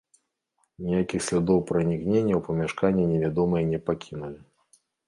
Ніякіх слядоў пранікнення ў памяшканне невядомыя не пакінулі.